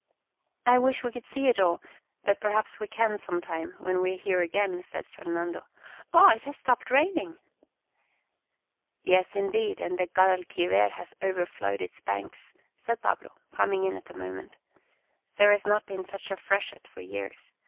" I wish we could see it all, but perhaps we can sometime when we are here again," said Fernando. " Oh, it has stopped raining !" "Yes, indeed, and the Guadalquiver has overflowed its banks," said Pablo, coming in at that moment. " There has not been such a freshet for years.